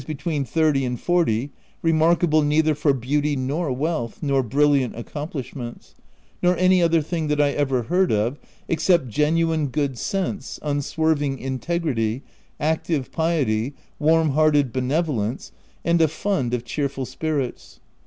between thirty and forty — remarkable neither for beauty nor wealth, nor brilliant accomplishments ; nor any other thing that I ever heard of, except genuine good sense, unswerving integrity, active piety, warm hearted Jbenevolence, and a fund of cheerful spirits.